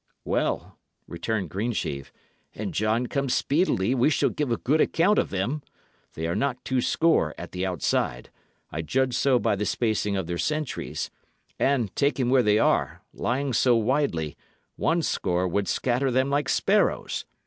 "Well," returned Greensheve, "an John come speedily, we shall give a good account of them. They are not two score at the outside I judge so by the spacing of their sentries and, taken where they are, lying so widely, one score would scatter them like sparrows.